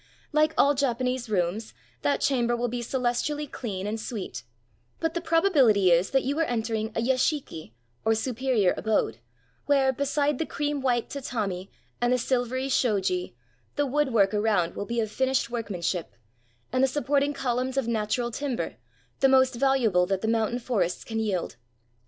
Like all Japanese rooms, that chamber will be celestially clean and sweet; but the prob ability is that you are entering a yashiki, or superior abode, where, beside the cream white tatami and the silvery shoji, the woodwork around will be of finished workmanship, and the supporting columns of natural timber, the most valuable that the mountain forests can yield.